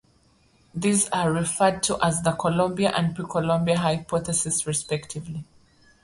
These are referred to as the "Columbian" and "pre-Columbian" hypotheses, respectively.